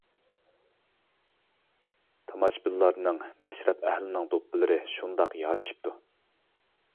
تاماشىبىنلارنىڭ، مەشرەپ ئەھلىنىڭ دوپپىلىرى شۇنداق يارىشىپتۇ.